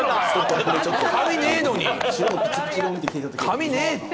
髪ねえって！